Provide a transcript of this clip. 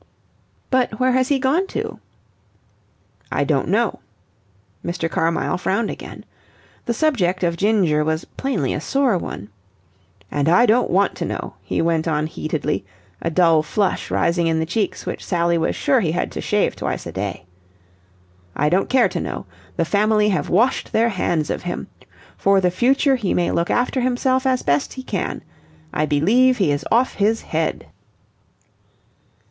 "But where has he gone to?" "I don't know." Mr. Carmyle frowned again. The subject of Ginger was plainly a sore one. "And I don't want to know," he went on heatedly, a dull flush rising in the cheeks which Sally was sure he had to shave twice a day. "I don't care to know. The Family have washed their hands of him. For the future he may look after himself as best he can. I believe he is off his head."